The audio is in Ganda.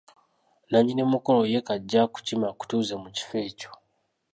Nnanyini mukolo ye kajje akukime akutuuze mu kifo ekyo.